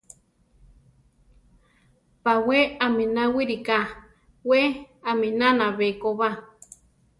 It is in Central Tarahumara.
Bawé aminá wiriká, we aminána bekoba.